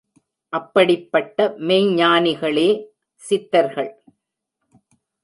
அப்படிப்பட்ட மெய்ஞ்ஞானிகளே சித்தர்கள்.